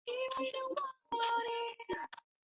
现在蒙古包顶部均已涂上橙色或棕色。